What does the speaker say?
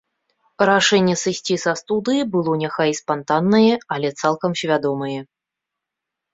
Рашэнне сысці са студыі было няхай і спантаннае, але цалкам свядомае.